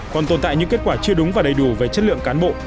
còn tồn tại những kết quả chưa đúng và đầy đủ về chất lượng cán bộ